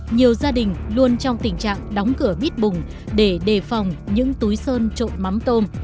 nhiều gia đình luôn trong tình trạng đóng cửa mít bùng để đề phòng những túi sơn trộn mắm tôm